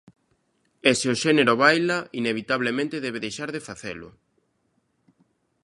E se o xénero baila, inevitablemente, debe deixar de facelo?